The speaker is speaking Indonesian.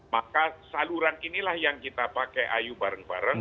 maka saluran inilah yang kita pakai ayu bareng bareng